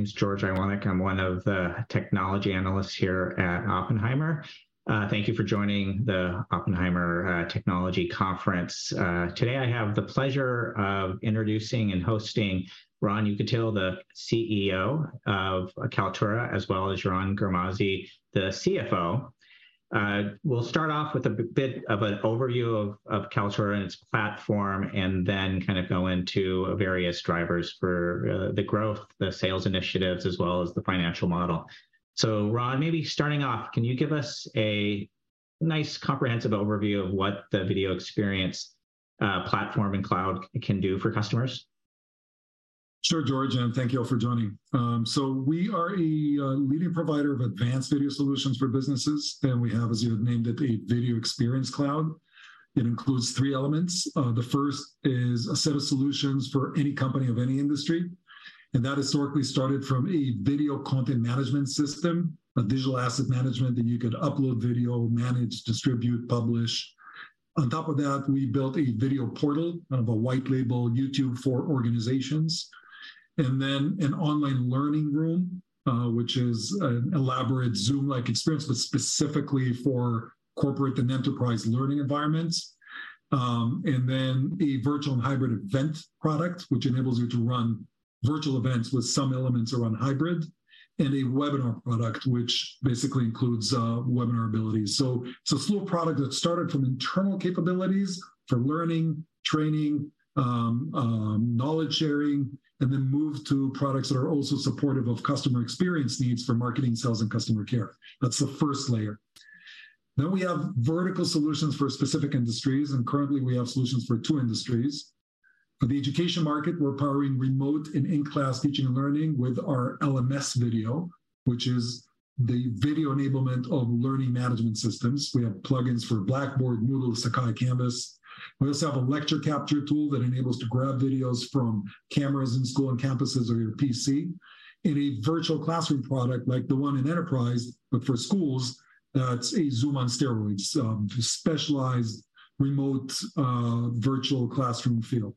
Hello, everyone. My name's George Iwanyc. I'm one of the technology analysts here at Oppenheimer. Thank you for joining the Oppenheimer Technology Conference. Today I have the pleasure of introducing and hosting Ron Yekutiel, the CEO of Kaltura, as well as Yaron Garmazi, the CFO. We'll start off with a bit of an overview of Kaltura and its platform, and then kind of go into various drivers for the growth, the sales initiatives, as well as the financial model. Ron, maybe starting off, can you give us a nice comprehensive overview of what the video experience platform and cloud can do for customers? Sure, George, and thank you all for joining. We are a leading provider of advanced video solutions for businesses, and we have, as you have named it, a Video Experience Cloud. It includes three elements. The first is a set of solutions for any company of any industry, and that historically started from a Video Content Management System, a digital asset management that you could upload video, manage, distribute, publish. On top of that, we built a video portal, kind of a white label YouTube for organizations, and then an online learning room, which is an elaborate Zoom-like experience, but specifically for corporate and enterprise learning environments. Then a virtual and hybrid event product, which enables you to run virtual events with some elements around hybrid, and a webinar product, which basically includes webinar abilities. It's a little product that started from internal capabilities for learning, training, knowledge sharing, and then moved to products that are also supportive of customer experience needs for marketing, sales, and customer care. That's the first layer. We have vertical solutions for specific industries, and currently we have solutions for two industries. For the education market, we're powering remote and in-class teaching and learning with our LMS Video, which is the video enablement of learning management systems. We have plugins for Blackboard, Moodle, Sakai, Canvas. We also have a lecture capture tool that enables to grab videos from cameras in school and campuses or your PC. In a virtual classroom product like the one in enterprise, but for schools, it's a Zoom on steroids, specialized remote, virtual classroom feel.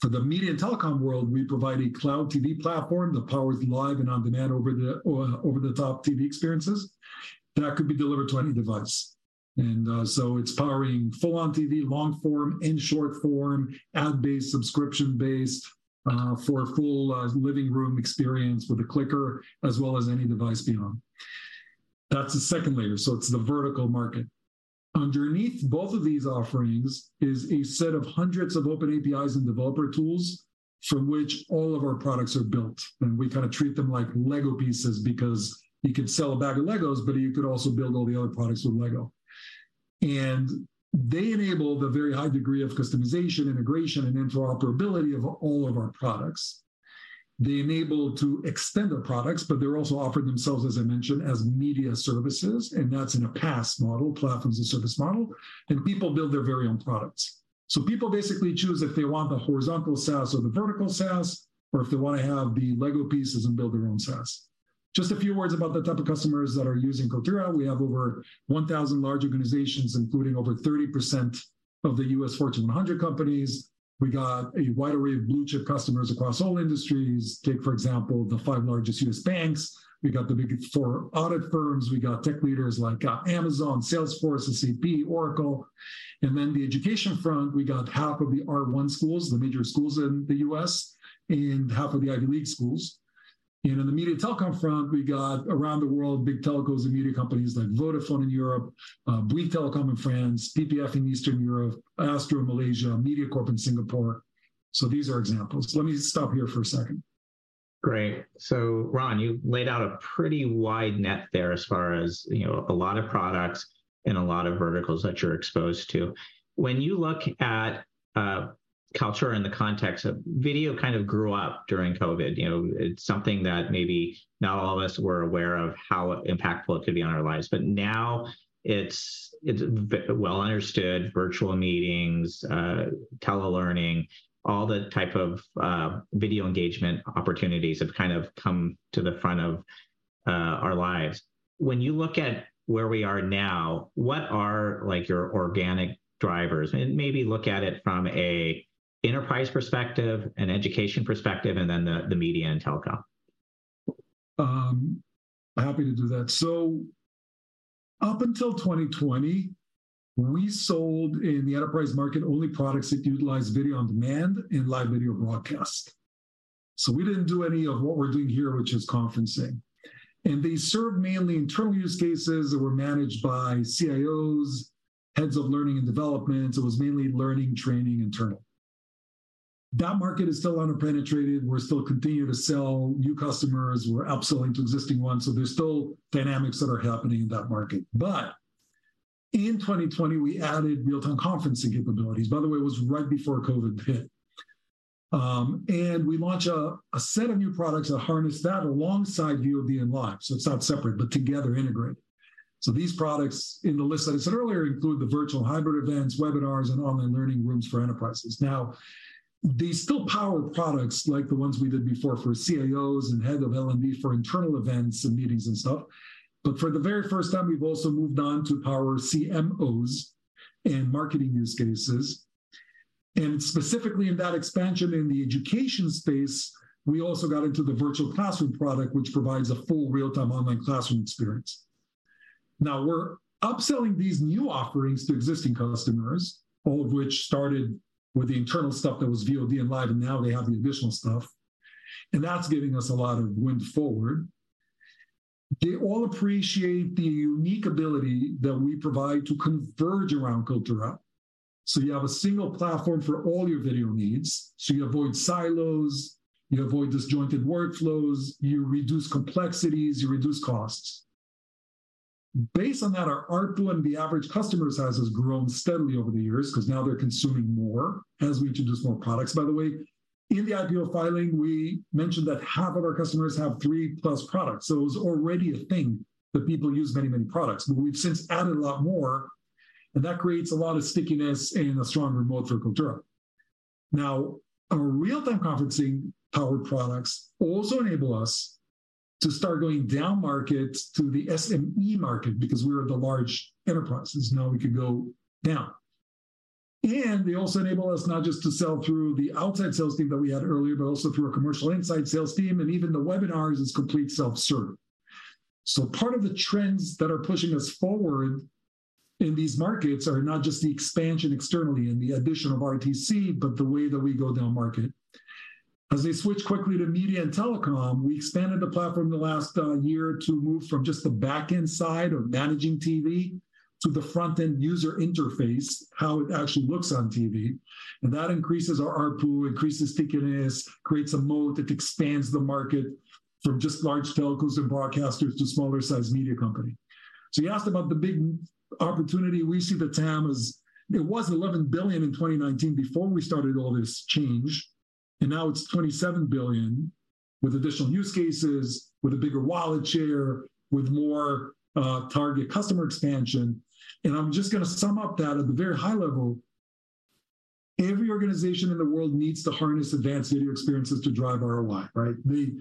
For the Media and Telecom world, we provide a Cloud TV Platform that powers live and on-demand over-the-top TV experiences that could be delivered to any device. So it's powering full-on TV, long form and short form, ad-based, subscription-based, for a full living room experience with a clicker, as well as any device beyond. That's the second layer, so it's the vertical market. Underneath both of these offerings is a set of hundreds of open APIs and developer tools from which all of our products are built, and we kinda treat them like LEGO pieces because you could sell a bag of LEGOs, but you could also build all the other products with LEGO. They enable the very high degree of customization, integration, and interoperability of all of our products. They enable to extend our products, but they're also offered themselves, as I mentioned, as media services, and that's in a VPaaS model, Platform as a Service model, and people build their very own products. People basically choose if they want the horizontal SaaS or the vertical SaaS, or if they wanna have the LEGO pieces and build their own SaaS. Just a few words about the type of customers that are using Kaltura. We have over 1,000 large organizations, including over 30% of the U.S. Fortune 100 companies. We got a wide array of blue-chip customers across all industries. Take, for example, the five largest U.S. banks. We got the Big Four audit firms. We got tech leaders like Amazon, Salesforce, SAP, Oracle. The education front, we got half of the R1 schools, the major schools in the U.S., and half of the Ivy League schools. On the media telecom front, we got, around the world, big telecos and media companies like Vodafone in Europe, Bouygues Telecom in France, PPF in Eastern Europe, Astro in Malaysia, Mediacorp in Singapore. These are examples. Let me stop here for a second. Great. Ron, you laid out a pretty wide net there as far as, you know, a lot of products and a lot of verticals that you're exposed to. When you look at Kaltura in the context of video kind of grew up during COVID. You know, it's something that maybe not all of us were aware of how impactful it could be on our lives, but now it's, it's well understood, virtual meetings, telelearning, all the type of video engagement opportunities have kind of come to the front of our lives. When you look at where we are now, what are, like, your organic drivers? Maybe look at it from a enterprise perspective, an education perspective, and then the Media & Telecom. Happy to do that. Up until 2020, we sold in the enterprise market only products that utilized video on demand and live video broadcast. We didn't do any of what we're doing here, which is conferencing. They served mainly internal use cases that were managed by CIOs, heads of learning and development, so it was mainly learning, training, internal. That market is still underpenetrated. We're still continuing to sell new customers. We're upselling to existing ones, so there's still dynamics that are happening in that market. In 2020, we added real-time conferencing capabilities. By the way, it was right before COVID hit. We launched a set of new products that harnessed that alongside VOD and Live, so it's not separate, but together, integrated. These products in the list that I said earlier include the virtual hybrid events, webinars, and online learning rooms for enterprises. Now, these still power products like the ones we did before for CIOs and head of L&D for internal events and meetings and stuff, but for the very first time, we've also moved on to power CMOs and marketing use cases. Specifically in that expansion in the education space, we also got into the virtual classroom product, which provides a full real-time online classroom experience. Now, we're upselling these new offerings to existing customers, all of which started with the internal stuff that was VOD and Live, and now they have the additional stuff, and that's giving us a lot of wind forward. They all appreciate the unique ability that we provide to converge around Kaltura. You have a single platform for all your video needs, so you avoid silos, you avoid disjointed workflows, you reduce complexities, you reduce costs. Based on that, our ARPU and the average customer size has grown steadily over the years 'cause now they're consuming more as we introduce more products. By the way, in the ideal filing, we mentioned that half of our customers have 3-plus products, so it was already a thing that people use many, many products. We've since added a lot more, and that creates a lot of stickiness and a strong remote for Kaltura. Our real-time conferencing powered products also enable us to start going downmarket to the SME market because we were the large enterprises. Now we can go down. They also enable us not just to sell through the outside sales team that we had earlier, but also through a commercial inside sales team, and even the webinars is complete self-serve. Part of the trends that are pushing us forward in these markets are not just the expansion externally and the addition of RTC, but the way that we go downmarket. As I switch quickly to Media & Telecom, we expanded the platform in the last year to move from just the back-end side of managing TV to the front-end user interface, how it actually looks on TV. That increases our ARPU, increases stickiness, creates a moat that expands the market from just large telcos and broadcasters to smaller-sized media company. You asked about the big opportunity. We see the TAM as it was $11 billion in 2019 before we started all this change, and now it's $27 billion, with additional use cases, with a bigger wallet share, with more target customer expansion. I'm just gonna sum up that at the very high level, every organization in the world needs to harness advanced video experiences to drive ROI, right? The,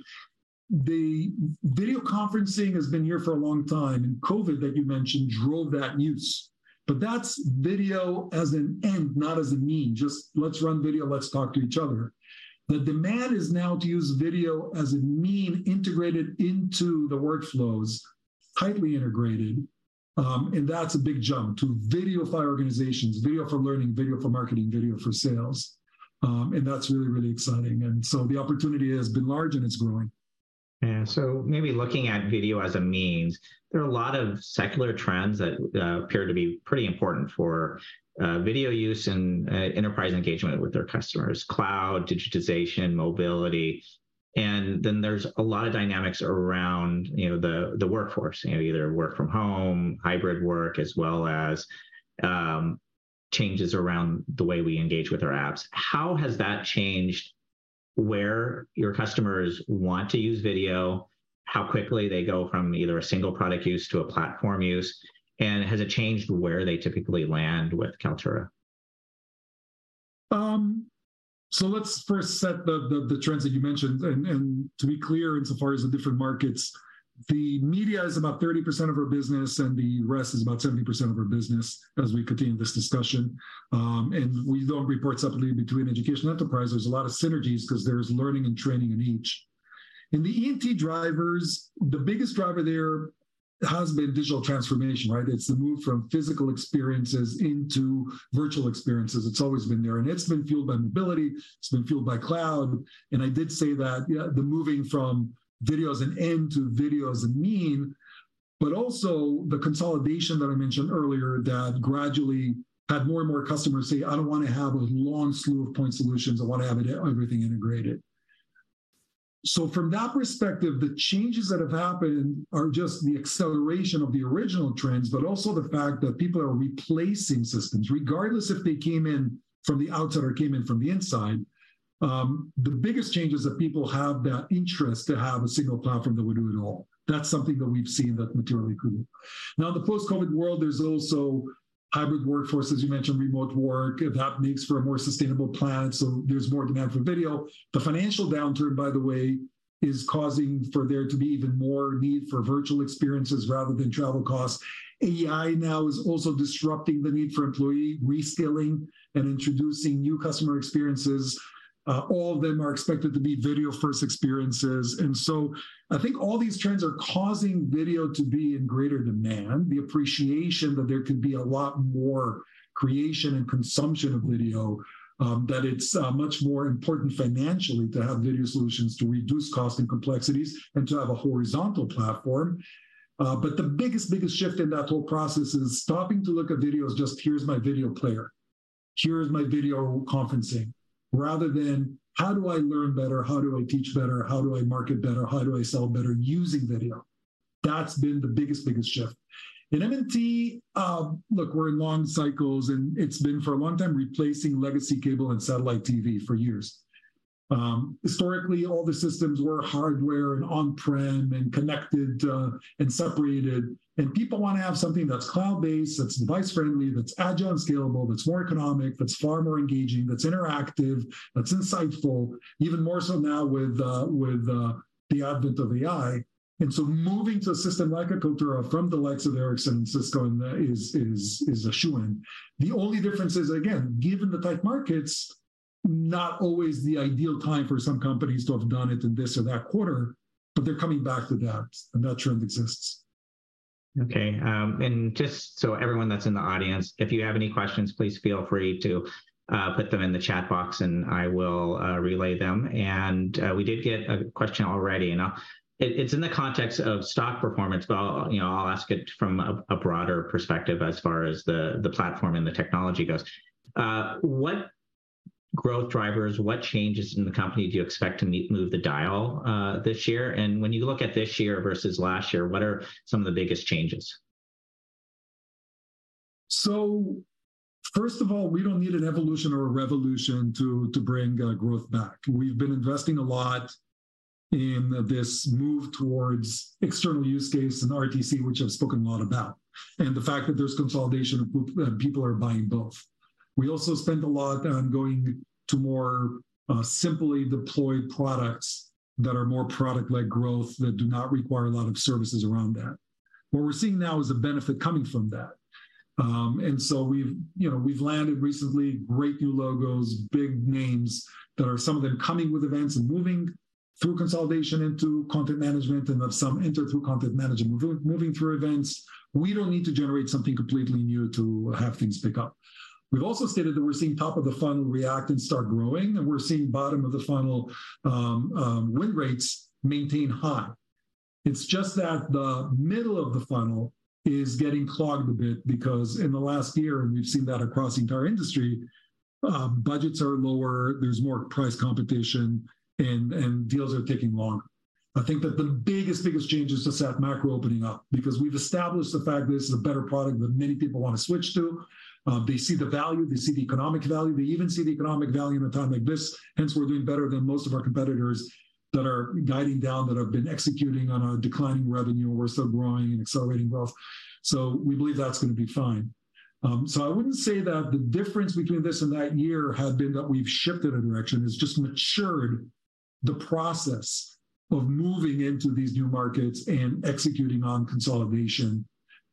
the video conferencing has been here for a long time, and COVID, that you mentioned, drove that use. That's video as an end, not as a mean. Just let's run video, let's talk to each other. The demand is now to use video as a mean integrated into the workflows, tightly integrated, and that's a big jump to video for organizations, video for learning, video for marketing, video for sales. That's really, really exciting. The opportunity has been large, and it's growing. Yeah. Maybe looking at video as a means, there are a lot of secular trends that appear to be pretty important for video use and enterprise engagement with their customers: cloud, digitization, mobility. There's a lot of dynamics around, you know, the workforce, you know, either work from home, hybrid work, as well as changes around the way we engage with our apps. How has that changed where your customers want to use video, how quickly they go from either a single product use to a platform use, and has it changed where they typically land with Kaltura? Let's first set the, the, the trends that you mentioned. And, and to be clear, insofar as the different markets, the media is about 30% of our business, and the rest is about 70% of our business as we continue this discussion. We don't report separately between education enterprise. There's a lot of synergies 'cause there is learning and training in each. In the ENT drivers, the biggest driver there has been digital transformation, right? It's the move from physical experiences into virtual experiences. It's always been there, and it's been fueled by mobility, it's been fueled by cloud, and I did say that, yeah, the moving from video as an end to video as a mean, but also the consolidation that I mentioned earlier, that gradually had more and more customers say, "I don't wanna have a long slew of point solutions. I wanna have it everything integrated." From that perspective, the changes that have happened are just the acceleration of the original trends, but also the fact that people are replacing systems. Regardless if they came in from the outside or came in from the inside, the biggest change is that people have that interest to have a single platform that will do it all. That's something that we've seen that materially improved. Now, in the post-COVID world, there's also hybrid workforce, as you mentioned, remote work, and that makes for a more sustainable planet, so there's more demand for video. The financial downturn, by the way, is causing for there to be even more need for virtual experiences rather than travel costs. AI now is also disrupting the need for employee reskilling and introducing new customer experiences. All of them are expected to be video-first experiences. I think all these trends are causing video to be in greater demand, the appreciation that there could be a lot more creation and consumption of video, that it's much more important financially to have video solutions to reduce cost and complexities and to have a horizontal platform. The biggest, biggest shift in that whole process is stopping to look at video as just, "Here's my video player. Here's my video conferencing," rather than, "How do I learn better? How do I teach better? How do I market better? How do I sell better using video?" That's been the biggest, biggest shift. In M&T, look, we're in long cycles, and it's been, for a long time, replacing legacy cable and satellite TV for years. Historically, all the systems were hardware, on-prem and connected and separated. People wanna have something that's cloud-based, that's device-friendly, that's agile and scalable, that's more economic, that's far more engaging, that's interactive, that's insightful, even more so now with the advent of AI. Moving to a system like a Kaltura from the likes of Ericsson and Cisco is a shoo-in. The only difference is, again, given the tight markets, not always the ideal time for some companies to have done it in this or that quarter, but they're coming back to that, and that trend exists. Okay, just so everyone that's in the audience, if you have any questions, please feel free to put them in the chat box, I will relay them. We did get a question already, it, it's in the context of stock performance, but I'll, you know, I'll ask it from a broader perspective as far as the platform and the technology goes. What growth drivers, what changes in the company do you expect to move the dial this year? When you look at this year versus last year, what are some of the biggest changes? First of all, we don't need an evolution or a revolution to bring growth back. We've been investing a lot in this move towards external use case and RTC, which I've spoken a lot about, and the fact that there's consolidation of people are buying both. We also spent a lot on going to more simply deploy products that are more product-like growth that do not require a lot of services around that. What we're seeing now is a benefit coming from that. We've, you know, we've landed recently great new logos, big names, that are some of them coming with events and moving through consolidation into content management, and have some enter through content management, moving through events. We don't need to generate something completely new to have things pick up. We've also stated that we're seeing top of the funnel react and start growing, and we're seeing bottom of the funnel, win rates maintain high. It's just that the middle of the funnel is getting clogged a bit because in the last year, and we've seen that across the entire industry, budgets are lower, there's more price competition, and deals are taking longer. I think that the biggest change is just that macro opening up. We've established the fact that this is a better product that many people wanna switch to. They see the value, they see the economic value. They even see the economic value in a time like this, hence we're doing better than most of our competitors that are guiding down, that have been executing on a declining revenue, and we're still growing and accelerating growth. We believe that's gonna be fine. I wouldn't say that the difference between this and that year had been that we've shifted a direction. It's just matured the process of moving into these new markets and executing on consolidation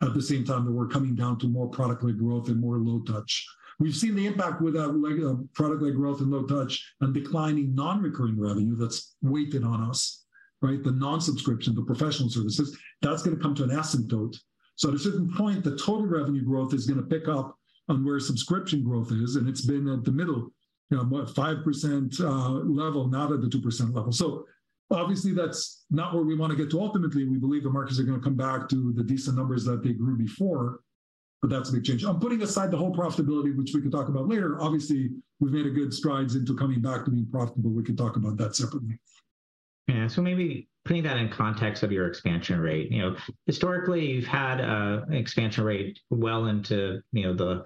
at the same time that we're coming down to more product-led growth and more low touch. We've seen the impact with our, like, product-led growth and low touch and declining non-recurring revenue that's weighted on us, right? The non-subscription, the professional services, that's gonna come to an asymptote. At a certain point, the total revenue growth is gonna pick up on where subscription growth is, and it's been at the middle, you know, about 5% level, not at the 2% level. Obviously, that's not where we wanna get to. Ultimately, we believe the markets are gonna come back to the decent numbers that they grew before, but that's a big change. I'm putting aside the whole profitability, which we can talk about later. Obviously, we've made a good strides into coming back to being profitable. We can talk about that separately. Yeah. So maybe putting that in context of your expansion rate. You know, historically, you've had an expansion rate well into, you know, the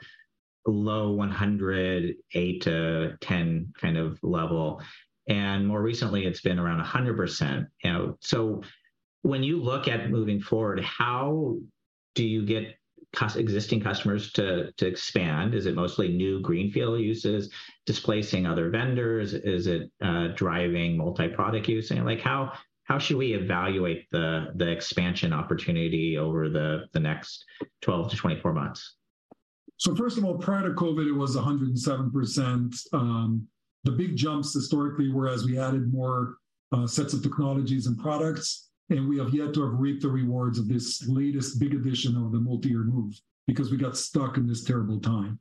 low 108%-110% kind of level, and more recently it's been around 100%, you know. When you look at moving forward, how do you get existing customers to expand? Is it mostly new greenfield uses, displacing other vendors? Is it driving multi-product use? Like, how should we evaluate the expansion opportunity over the next 12-24 months? First of all, prior to COVID, it was 107%. The big jumps historically were as we added more sets of technologies and products, and we have yet to have reaped the rewards of this latest big addition of the multi-year move because we got stuck in this terrible time.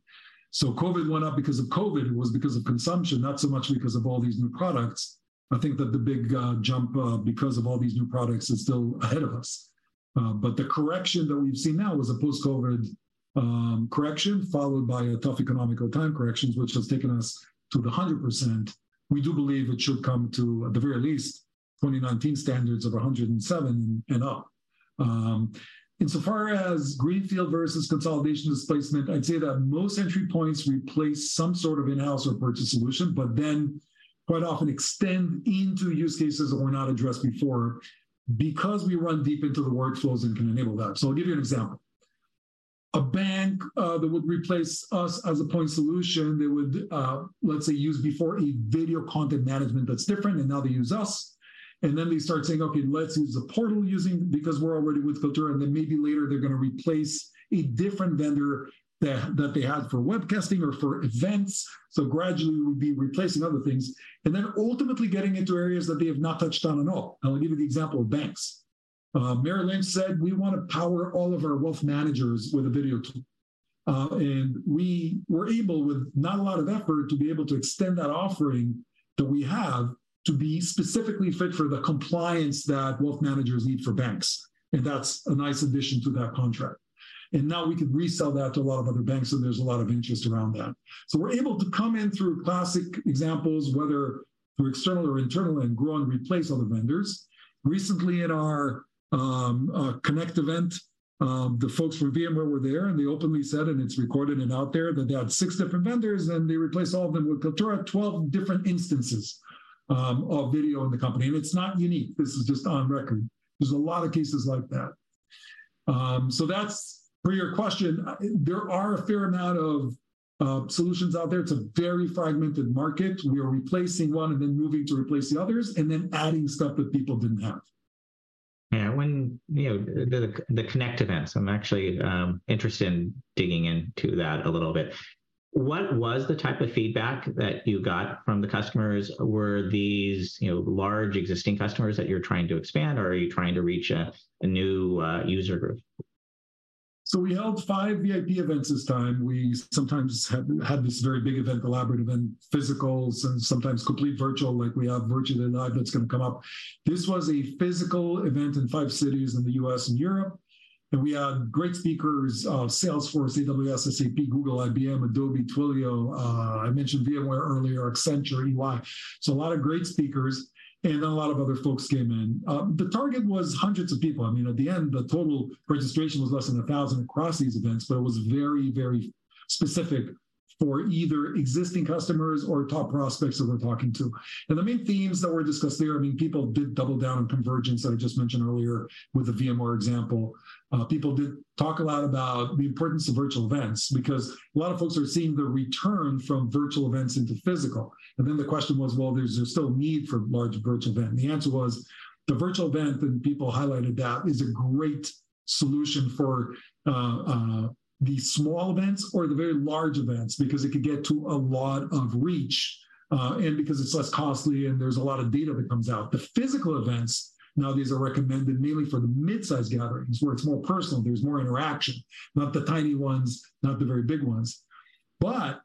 COVID went up because of COVID. It was because of consumption, not so much because of all these new products. I think that the big jump because of all these new products is still ahead of us. The correction that we've seen now is a post-COVID correction, followed by a tough economical time corrections, which has taken us to the 100%. We do believe it should come to, at the very least, 2019 standards of 107 and up. Insofar as greenfield versus consolidation displacement, I'd say that most entry points replace some sort of in-house or purchased solution, but then quite often extend into use cases that were not addressed before because we run deep into the workflows and can enable that. I'll give you an example. A bank that would replace us as a point solution, they would, let's say, use before a Video Content Management that's different, and now they use us. Then they start saying, "Okay, let's use the portal using... because we're already with Kaltura," and then maybe later they're gonna replace a different vendor that, that they had for webcasting or for events. Gradually, we'll be replacing other things, and they're ultimately getting into areas that they have not touched on at all. I'll give you the example of banks. Merrill Lynch said, "We wanna power all of our wealth managers with a video tool." We were able, with not a lot of effort, to be able to extend that offering that we have to be specifically fit for the compliance that wealth managers need for banks, and that's a nice addition to that contract. Now we can resell that to a lot of other banks, and there's a lot of interest around that. We're able to come in through classic examples, whether through external or internal, and grow and replace other vendors. Recently, at our Connect event, the folks from VMware were there, and they openly said, and it's recorded and out there, that they had six different vendors, and they replaced all of them with Kaltura. 12 different instances of video in the company, and it's not unique. This is just on record. There's a lot of cases like that. That's, for your question, there are a fair amount of solutions out there. It's a very fragmented market. We are replacing one and then moving to replace the others, and then adding stuff that people didn't have. Yeah, when, you know, the, the Connect events, I'm actually interested in digging into that a little bit. What was the type of feedback that you got from the customers? Were these, you know, large existing customers that you're trying to expand, or are you trying to reach a new user group? We held five VIP events this time. We sometimes have, had this very big event, collaborative and physicals, and sometimes complete virtual, like we have virtual tonight that's gonna come up. This was a physical event in five cities in the U.S. and Europe, and we had great speakers, Salesforce, AWS, SAP, Google, IBM, Adobe, Twilio, I mentioned VMware earlier, Accenture, EY. A lot of great speakers, and then a lot of other folks came in. The target was hundreds of people. I mean, at the end, the total registration was less than 1,000 across these events, but it was very, very specific for either existing customers or top prospects that we're talking to. The main themes that were discussed there, I mean, people did double down on convergence, that I just mentioned earlier with the VMware example. People did talk a lot about the importance of virtual events, because a lot of folks are seeing the return from virtual events into physical. Then the question was, "Well, there's still a need for large virtual event?" The answer was, the virtual event, and people highlighted that, is a great solution for the small events or the very large events, because it could get to a lot of reach, and because it's less costly and there's a lot of data that comes out. The physical events, now these are recommended mainly for the mid-size gatherings, where it's more personal, there's more interaction. Not the tiny ones, not the very big ones.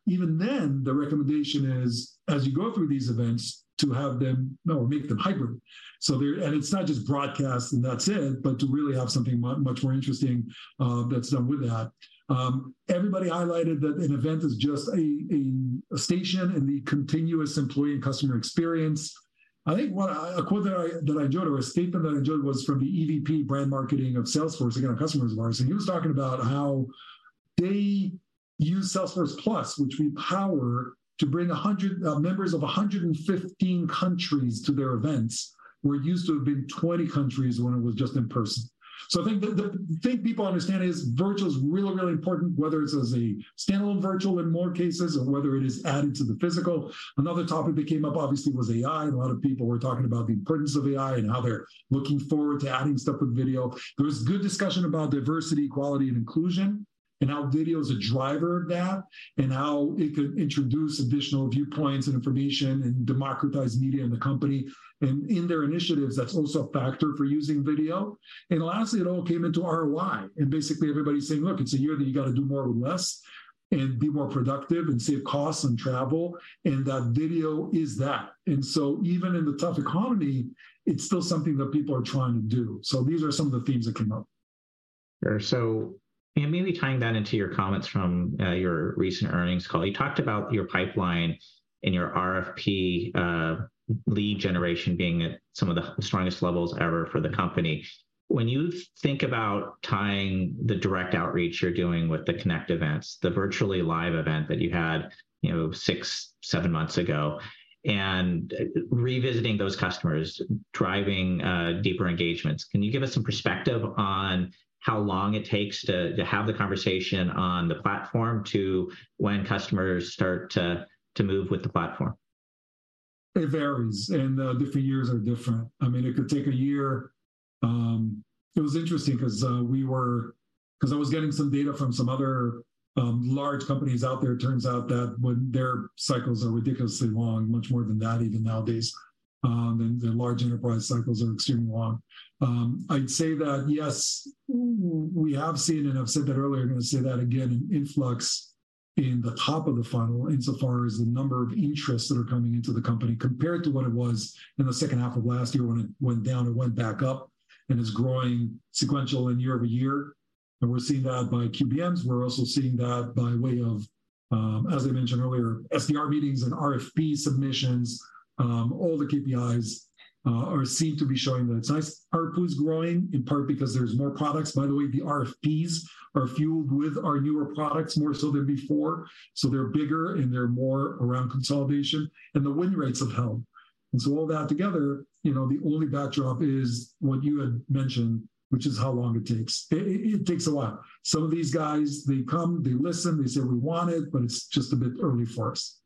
Even then, the recommendation is, as you go through these events, to have them... or make them hybrid. There-- it's not just broadcast and that's it, but to really have something much more interesting that's done with that. Everybody highlighted that an event is just a station in the continuous employee and customer experience. I think one a quote that I, that I enjoyed, or a statement that I enjoyed, was from the EVP brand marketing of Salesforce, again, a customer of ours, and he was talking about how they use Salesforce+, which we power, to bring 100 members of 115 countries to their events, where it used to have been 20 countries when it was just in person. I think the thing people understand is virtual is really, really important, whether it's as a standalone virtual in more cases, or whether it is adding to the physical. Another topic that came up, obviously, was AI. A lot of people were talking about the importance of AI and how they're looking forward to adding stuff with video. There was good discussion about diversity, equality, and inclusion, and how video is a driver of that, and how it could introduce additional viewpoints and information and democratize media in the company. In their initiatives, that's also a factor for using video. Lastly, it all came into ROI, and basically everybody's saying: "Look, it's a year that you gotta do more with less, and be more productive, and save costs and travel," and that video is that. Even in the tough economy, it's still something that people are trying to do. These are some of the themes that came up. Sure. And maybe tying that into your comments from your recent earnings call, you talked about your pipeline and your RFP lead generation being at some of the strongest levels ever for the company. When you think about tying the direct outreach you're doing with the Connect events, the Virtually Live! event that you had, you know, six, seven months ago, and revisiting those customers, driving deeper engagements, can you give us some perspective on how long it takes to have the conversation on the platform to when customers start to move with the platform? It varies, and different years are different. I mean, it could take a year. It was interesting 'cause we were-- 'cause I was getting some data from some other large companies out there. It turns out that when their cycles are ridiculously long, much more than that even nowadays, and the large enterprise cycles are extremely long. I'd say that, yes we have seen, and I've said that earlier, I'm gonna say that again, an influx in the top of the funnel insofar as the number of interests that are coming into the company. Compared to what it was in the second half of last year when it went down, it went back up and is growing sequential and year-over-year, and we're seeing that by QBRs. We're also seeing that by way of, as I mentioned earlier, SDR meetings and RFP submissions. All the KPIs are seen to be showing that it's nice. ARPU is growing, in part because there's more products. By the way, the RFPs are fueled with our newer products, more so than before, so they're bigger and they're more around consolidation, and the win rates have helped. All that together, you know, the only backdrop is what you had mentioned, which is how long it takes. It, it, it takes a while. Some of these guys, they come, they listen, they say, "We want it, but it's just a bit early for us.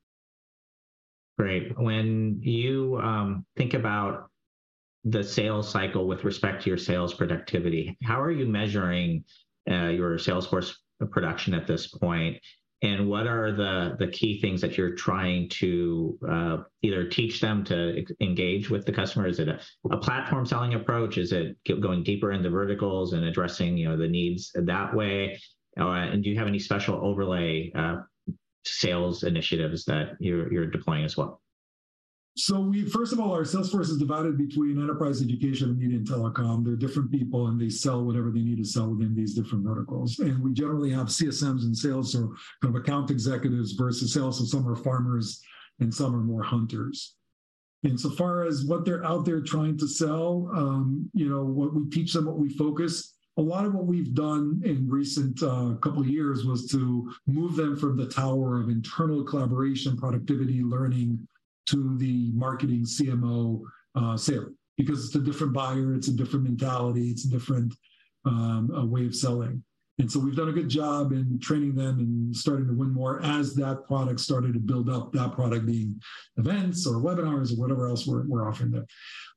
Great. When you think about the sales cycle with respect to your sales productivity, how are you measuring your sales force production at this point? What are the, the key things that you're trying to either teach them to engage with the customer? Is it a, a platform-selling approach? Is it keep going deeper in the verticals and addressing, you know, the needs that way? Do you have any special overlay sales initiatives that you're, you're deploying as well? First of all, our sales force is divided between enterprise, education, media, and telecom. They're different people, and they sell whatever they need to sell within these different verticals. We generally have CSMs and sales, so kind of account executives versus sales, so some are farmers and some are more hunters. Insofar as what they're out there trying to sell, you know, what we teach them, what we focus, a lot of what we've done in recent couple of years was to move them from the tower of internal collaboration, productivity, learning, to the marketing CMO sale. It's a different buyer, it's a different mentality, it's a different way of selling. We've done a good job in training them and starting to win more as that product started to build up, that product being events or webinars or whatever else we're offering them.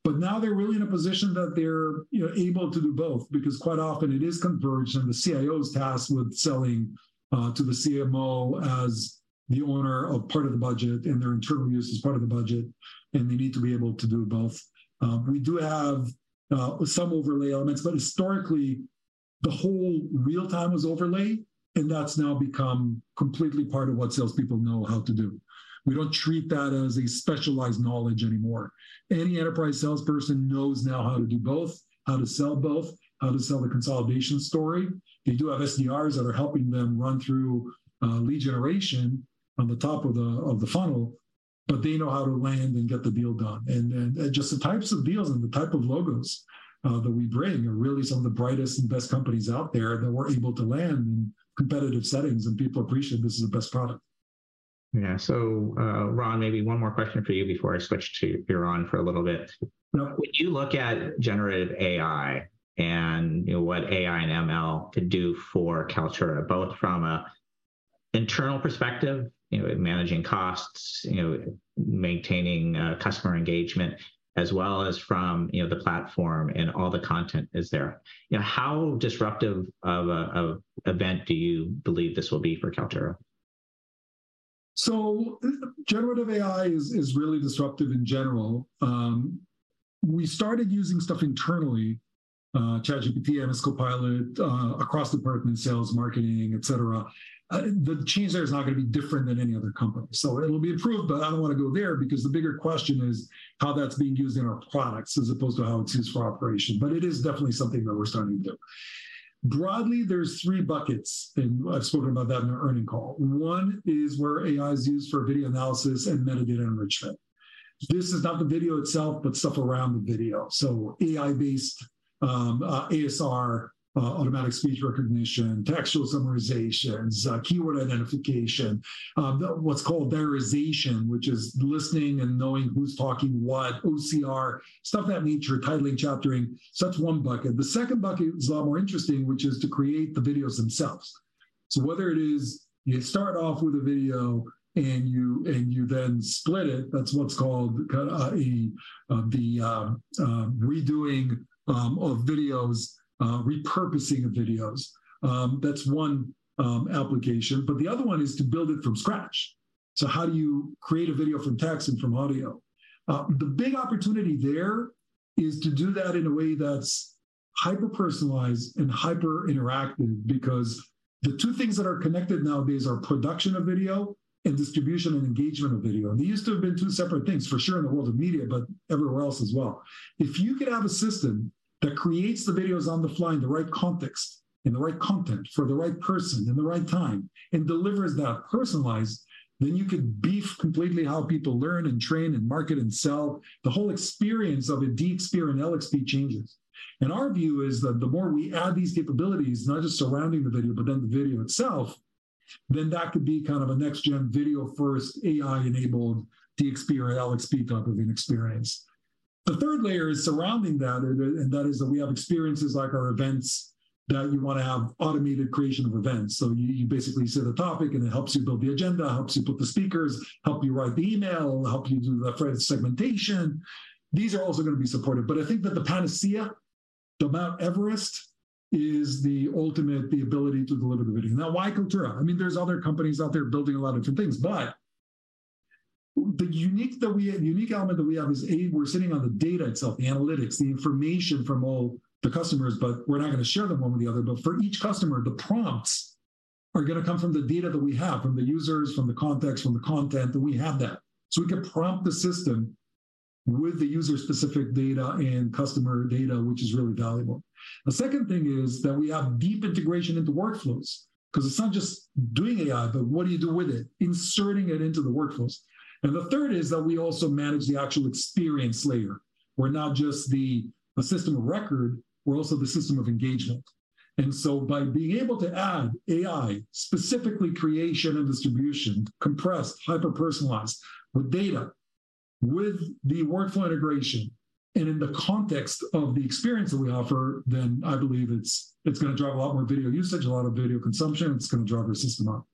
Now they're really in a position that they're, you know, able to do both, because quite often it is converged, and the CIO's tasked with selling to the CMO as the owner of part of the budget, and their internal use is part of the budget, and they need to be able to do both. We do have some overlay elements, but historically, the whole real time was overlay, and that's now become completely part of what salespeople know how to do. We don't treat that as a specialized knowledge anymore. Any enterprise salesperson knows now how to do both, how to sell both, how to sell the consolidation story. They do have SDRs that are helping them run through, lead generation on the top of the, of the funnel, but they know how to land and get the deal done. Just the types of deals and the type of logos, that we bring are really some of the brightest and best companies out there that we're able to land in competitive settings, and people appreciate this is the best product. Yeah. Ron, maybe one more question for you before I switch to Yaron for a little bit. When you look at generative AI, and you know, what AI and ML could do for Kaltura, both from a internal perspective, you know, managing costs, you know, maintaining customer engagement, as well as from, you know, the platform and all the content is there, you know, how disruptive of a event do you believe this will be for Kaltura? Generative AI is, is really disruptive in general. We started using stuff internally, ChatGPT, Microsoft Copilot, across department, sales, marketing, et cetera. The change there is not gonna be different than any other company. It'll be approved, but I don't wanna go there because the bigger question is how that's being used in our products, as opposed to how it's used for operation. It is definitely something that we're starting to do. Broadly, there's 3 buckets, and I've spoken about that in the earnings call. One is where AI is used for video analysis and metadata enrichment. This is not the video itself, but stuff around the video, so AI-based ASR, automatic speech recognition, textual summarizations, keyword identification, what's called diarization, which is listening and knowing who's talking what, OCR, stuff of that nature, titling, chaptering. That's one bucket. The second bucket is a lot more interesting, which is to create the videos themselves. Whether it is you start off with a video, and you, and you then split it, that's what's called cut, the redoing of videos, repurposing of videos. That's one application, but the other one is to build it from scratch. How do you create a video from text and from audio? The big opportunity there is to do that in a way that's hyper-personalized and hyper-interactive because the two things that are connected nowadays are production of video and distribution and engagement of video. They used to have been two separate things, for sure in the world of media, but everywhere else as well. If you could have a system that creates the videos on the fly in the right context and the right content for the right person and the right time, and delivers that personalized, then you could beef completely how people learn and train and market and sell. The whole experience of a DXP and LXP changes. Our view is that the more we add these capabilities, not just surrounding the video, but then the video itself, then that could be kind of a next-gen video-first, AI-enabled DXP or LXP type of an experience. The third layer is surrounding that, and that is that we have experiences like our events, that we wanna have automated creation of events. You, you basically set a topic, and it helps you build the agenda, helps you book the speakers, help you write the email, help you do the segmentation. These are also gonna be supported. I think that the panacea, the Mount Everest, is the ultimate, the ability to deliver the video. Now, why Kaltura? I mean, there's other companies out there building a lot of different things, but the unique element that we have is, A, we're sitting on the data itself, the analytics, the information from all the customers, but we're not gonna share them one with the other. For each customer, the prompts are gonna come from the data that we have, from the users, from the context, from the content, and we have that. We can prompt the system with the user-specific data and customer data, which is really valuable. The second thing is that we have deep integration into workflows, 'cause it's not just doing AI, but what do you do with it? Inserting it into the workflows. The third is that we also manage the actual experience layer. We're not just the system of record, we're also the system of engagement. By being able to add AI, specifically creation and distribution, compressed, hyper-personalized, with data, with the workflow integration, and in the context of the experience that we offer, then I believe it's, it's gonna drive a lot more video usage, a lot of video consumption. It's gonna drive our system up.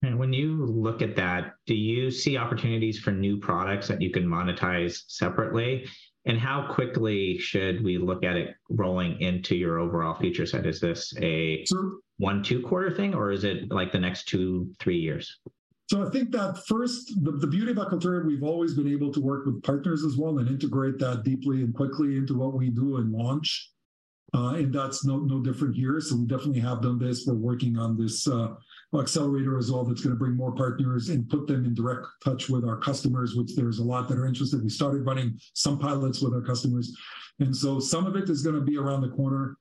When you look at that, do you see opportunities for new products that you can monetize separately? How quickly should we look at it rolling into your overall feature set? Is this a one, two-quarter thing, or is it, like, the next two, three-years? I think that first, the beauty about Kaltura, we've always been able to work with partners as well and integrate that deeply and quickly into what we do and launch. That's no, no different here. We definitely have done this. We're working on this accelerator as well that's gonna bring more partners and put them in direct touch with our customers, which there's a lot that are interested. We started running some pilots with our customers. Some of it is gonna be around the corner,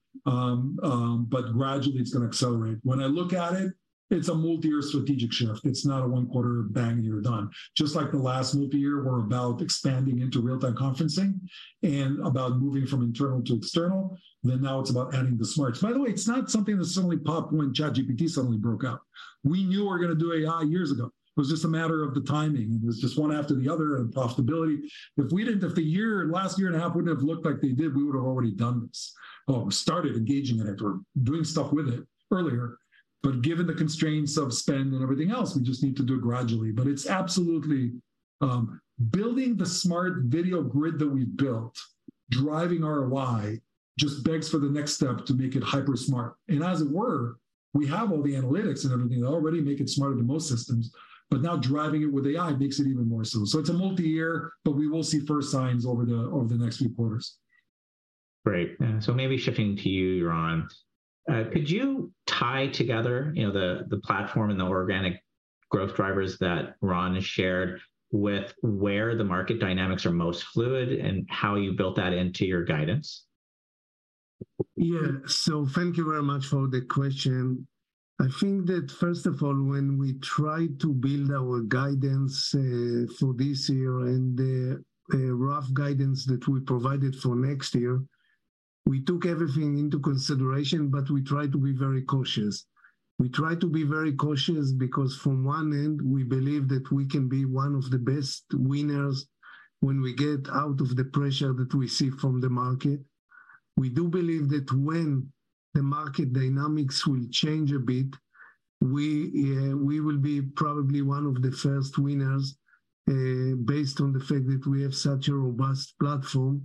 gradually it's gonna accelerate. When I look at it, it's a multi-year strategic shift. It's not a one-quarter, bang, you're done. Just like the last multi-year, we're about expanding into real-time conferencing and about moving from internal to external, now it's about adding the smarts. By the way, it's not something that suddenly popped when ChatGPT suddenly broke out. We knew we were gonna do AI years ago. It was just a matter of the timing. It was just one after the other and possibility. If we didn't... If the year, last year and a half wouldn't have looked like they did, we would've already done this or started engaging in it or doing stuff with it earlier. Given the constraints of spend and everything else, we just need to do it gradually. It's absolutely, building the smart video grid that we've built, driving ROI... just begs for the next step to make it hyper smart. As it were, we have all the analytics and everything that already make it smarter than most systems, but now driving it with AI makes it even more so. It's a multi-year, but we will see first signs over the, over the next few quarters. Great. maybe shifting to you, Yaron. could you tie together, you know, the, the platform and the organic growth drivers that Ron shared with where the market dynamics are most fluid, and how you built that into your guidance? Yeah. Thank you very much for the question. I think that, first of all, when we tried to build our guidance for this year and the rough guidance that we provided for next year, we took everything into consideration, but we tried to be very cautious. We tried to be very cautious because from one end, we believe that we can be one of the best winners when we get out of the pressure that we see from the market. We do believe that when the market dynamics will change a bit, we will be probably one of the first winners, based on the fact that we have such a robust platform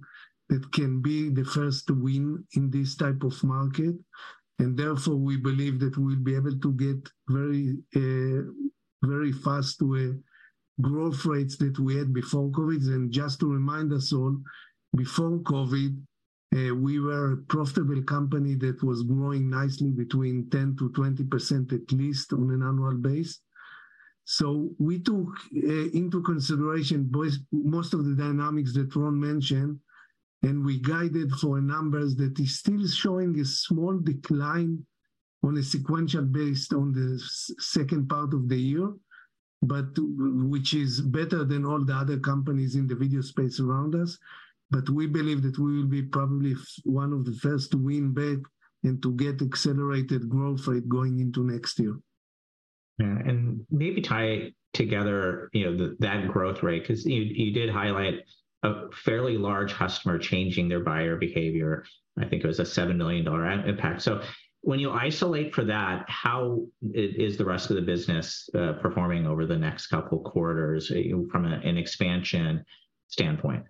that can be the first to win in this type of market. Therefore, we believe that we'll be able to get very, very fast with growth rates that we had before COVID. Just to remind us all, before COVID, we were a profitable company that was growing nicely between 10%-20%, at least on an annual basis. We took into consideration both most of the dynamics that Ron mentioned, and we guided for numbers that is still showing a small decline on a sequential based on the second part of the year, but which is better than all the other companies in the video space around us. We believe that we will be probably one of the first to win back and to get accelerated growth rate going into next year. Yeah, and maybe tie together, you know, the, that growth rate, 'cause you, you did highlight a fairly large customer changing their buyer behavior. I think it was a $7 million impact. When you isolate for that, how is the rest of the business performing over the next couple quarters, you know, from an expansion standpoint?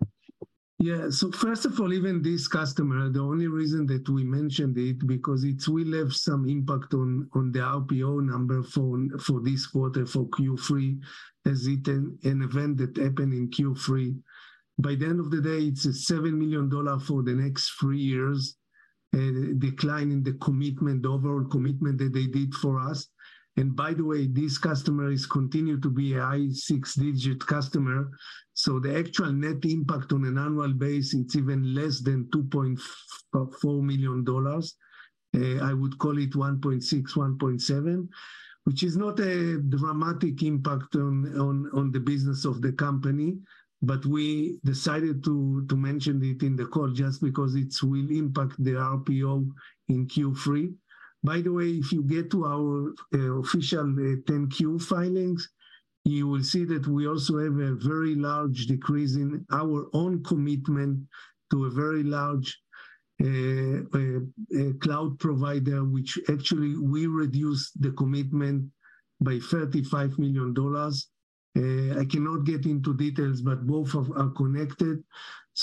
Yeah. First of all, even this customer, the only reason that we mentioned it, because it will have some impact on the RPO number for, for this quarter, for Q3, as it an event that happened in Q3. By the end of the day, it's a $7 million for the next three years, decline in the commitment, overall commitment that they did for us. By the way, this customer is continued to be a high six-digit customer, so the actual net impact on an annual basis, it's even less than $2.4 million. I would call it $1.6 million, $1.7 million, which is not a dramatic impact on the business of the company. We decided to mention it in the call just because it's will impact the RPO in Q3. By the way, if you get to our official 10-Q filings, you will see that we also have a very large decrease in our own commitment to a very large cloud provider, which actually we reduced the commitment by $35 million. I cannot get into details, but both of are connected.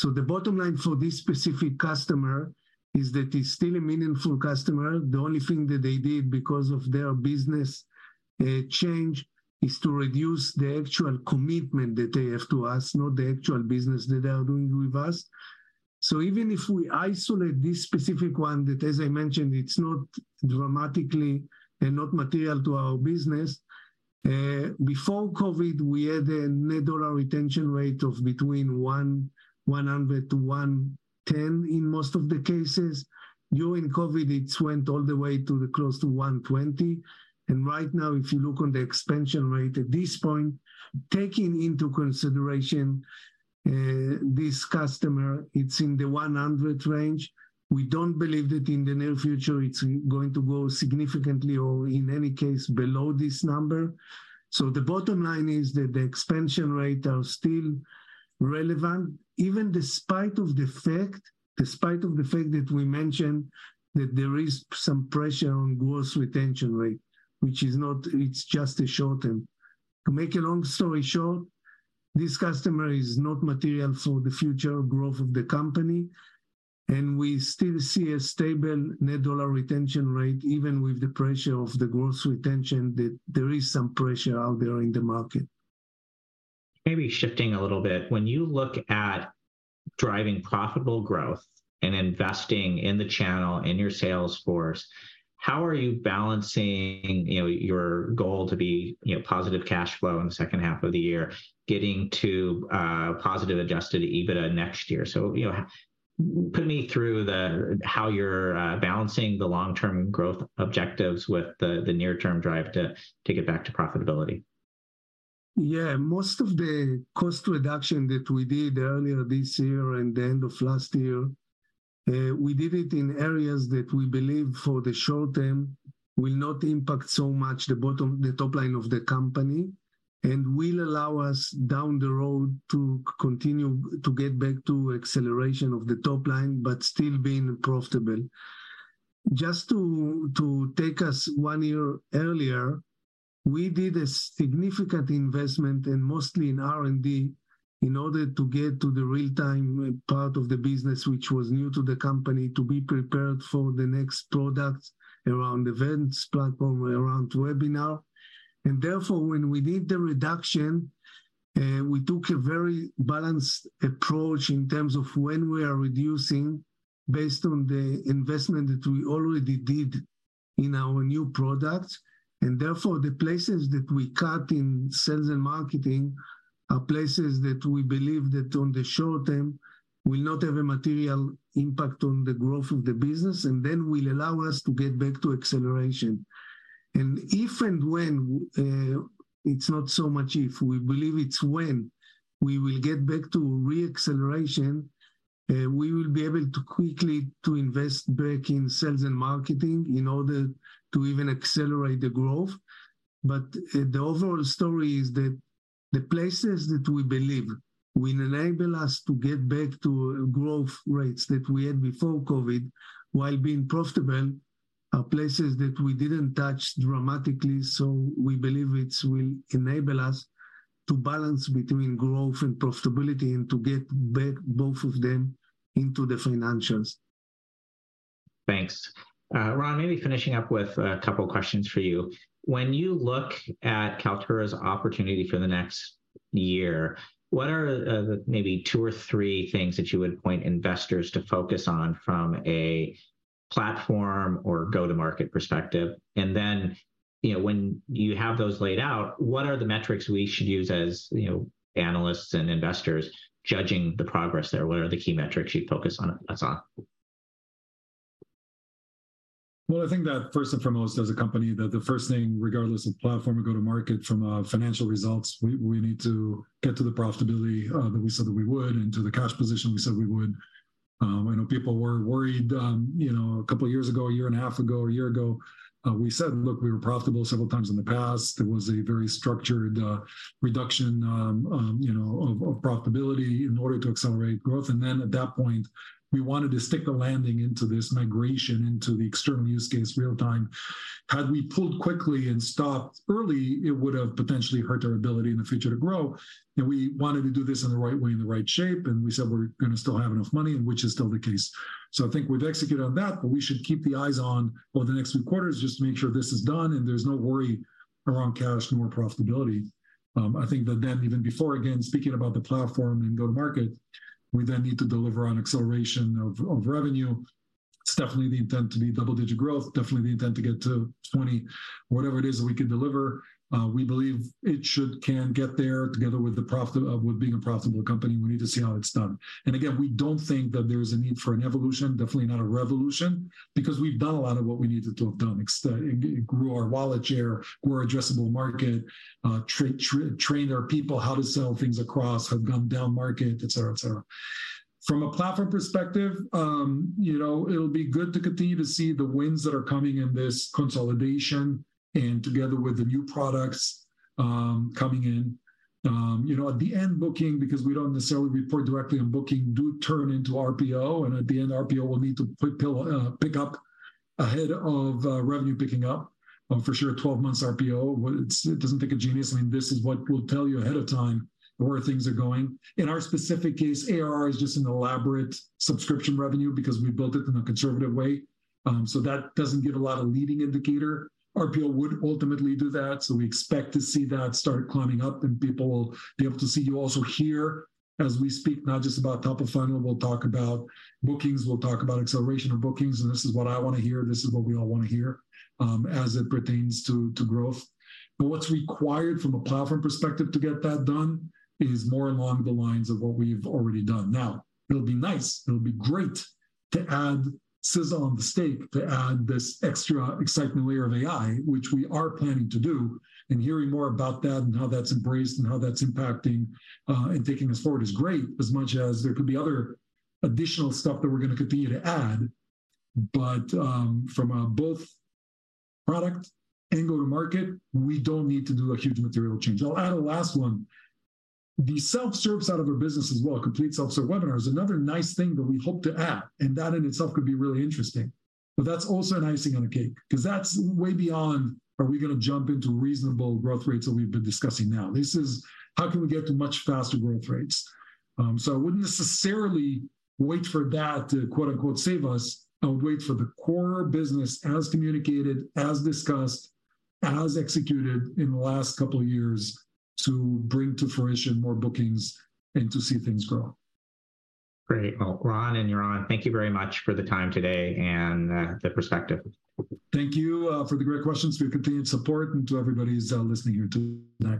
The bottom line for this specific customer is that it's still a meaningful customer. The only thing that they did because of their business change, is to reduce the actual commitment that they have to us, not the actual business that they are doing with us. Even if we isolate this specific one, that, as I mentioned, it's not dramatically and not material to our business, before COVID, we had a net dollar retention rate of between 100%-110% in most of the cases. During COVID, it's went all the way to the close to 120. Right now, if you look on the expansion rate at this point, taking into consideration this customer, it's in the 100 range. We don't believe that in the near future it's going to go significantly or in any case, below this number. The bottom line is that the expansion rate are still relevant, even despite of the fact, despite of the fact that we mentioned that there is some pressure on gross retention rate, which is not. It's just a short term. To make a long story short, this customer is not material for the future growth of the company. We still see a stable net dollar retention rate, even with the pressure of the gross retention, that there is some pressure out there in the market. Maybe shifting a little bit, when you look at driving profitable growth and investing in the channel, in your sales force, how are you balancing, you know, your goal to be, you know, positive cash flow in the second half of the year, getting to positive adjusted EBITDA next year? you know, put me through the, how you're balancing the long-term growth objectives with the, the near-term drive to take it back to profitability? Yeah. Most of the cost reduction that we did earlier this year and the end of last year, we did it in areas that we believe for the short term, will not impact so much the top line of the company, and will allow us down the road to continue to get back to acceleration of the top line, but still being profitable. Just to take us one year earlier, we did a significant investment, and mostly in R&D, in order to get to the real-time part of the business, which was new to the company, to be prepared for the next products around events, platform around webinar. Therefore, when we did the reduction, we took a very balanced approach in terms of when we are reducing based on the investment that we already did in our new products. Therefore, the places that we cut in sales and marketing are places that we believe that, on the short term, will not have a material impact on the growth of the business and then will allow us to get back to acceleration. If and when, it's not so much if, we believe it's when we will get back to re-acceleration, we will be able to quickly to invest back in sales and marketing in order to even accelerate the growth. The overall story is that the places that we believe will enable us to get back to growth rates that we had before COVID, while being profitable, are places that we didn't touch dramatically, so we believe it will enable us to balance between growth and profitability and to get back both of them into the financials. Thanks. Ron, maybe finishing up with a couple of questions for you. When you look at Kaltura's opportunity for the next year, what are the maybe two or three things that you would point investors to focus on from a platform or go-to-market perspective? Then, you know, when you have those laid out, what are the metrics we should use, as, you know, analysts and investors judging the progress there? What are the key metrics you'd focus on, us on? Well, I think that first and foremost, as a company, that the first thing, regardless of platform or go-to-market, from a financial results, we, we need to get to the profitability that we said that we would and to the cash position we said we would. I know people were worried, you know, a couple of years ago, a year and a half ago, a year ago, we said, look, we were profitable several times in the past. There was a very structured reduction, you know of profitability in order to accelerate growth. Then, at that point, we wanted to stick the landing into this migration, into the external use case real time. Had we pulled quickly and stopped early, it would have potentially hurt our ability in the future to grow, and we wanted to do this in the right way, in the right shape. We said we're gonna still have enough money, and which is still the case. I think we've executed on that, but we should keep the eyes on over the next few quarters just to make sure this is done and there's no worry around cash nor profitability. I think that then even before, again, speaking about the platform and go-to-market, we then need to deliver on acceleration of revenue. It's definitely the intent to be double-digit growth, definitely the intent to get to 20, whatever it is that we can deliver. We believe it should, can get there together with the profit, with being a profitable company, we need to see how it's done. Again, we don't think that there is a need for an evolution, definitely not a revolution, because we've done a lot of what we needed to have done. It, it grew our wallet share, grew our addressable market, train our people how to sell things across, have gone down market, et cetera, et cetera. From a platform perspective, you know, it'll be good to continue to see the wins that are coming in this consolidation and together with the new products coming in. You know, at the end, booking, because we don't necessarily report directly on booking, do turn into RPO, and at the end, RPO will need to... pick up ahead of revenue picking up. For sure, 12 months RPO, well, it's, it doesn't take a genius, I mean, this is what we'll tell you ahead of time where things are going. In our specific case, ARR is just an elaborate subscription revenue because we built it in a conservative way, so that doesn't give a lot of leading indicator. RPO would ultimately do that, so we expect to see that start climbing up, and people will be able to see you also here, as we speak now, just about top of funnel. We'll talk about bookings, we'll talk about acceleration of bookings, and this is what I wanna hear, this is what we all wanna hear, as it pertains to, to growth. What's required from a platform perspective to get that done is more along the lines of what we've already done. It'll be nice, it'll be great to add sizzle on the steak, to add this extra excitement layer of AI, which we are planning to do, and hearing more about that and how that's embraced and how that's impacting and taking us forward is great, as much as there could be other additional stuff that we're gonna continue to add. From both product and go-to-market, we don't need to do a huge material change. I'll add a last one: The self-service out of our business as well, complete self-service webinar, is another nice thing that we hope to add, and that in itself could be really interesting. That's also an icing on the cake, 'cause that's way beyond, are we gonna jump into reasonable growth rates that we've been discussing now? This is, how can we get to much faster growth rates? I wouldn't necessarily wait for that to, quote-unquote, "save us." I would wait for the core business, as communicated, as discussed, as executed in the last couple of years, to bring to fruition more bookings and to see things grow. Great. Well, Ron and Yaron, thank you very much for the time today and the perspective. Thank you, for the great questions, for your continued support, and to everybody who's listening here today.